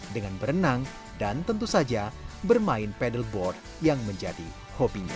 dengan berenang dan tentu saja bermain pedalboard yang menjadi hobinya